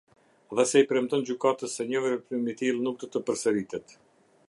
Dhe se i premton gjykatës se një veprim i tillë nuk do të përsëritet.